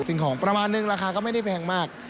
สิ่งของประมาณนึงราคาก็ไม่ได้แพงมาก